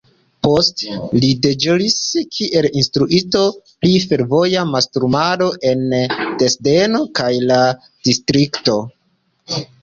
Poste li deĵoris kiel instruisto pri fervoja mastrumado en Dresdeno kaj la distrikto.